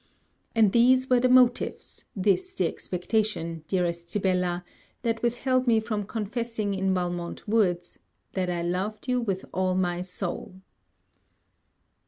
And these were the motives, this the expectation, dearest Sibella, that withheld me from confessing in Valmont woods that I loved you with all my soul.